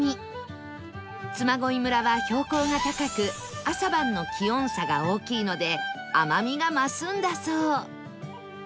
嬬恋村は標高が高く朝晩の気温差が大きいので甘みが増すんだそう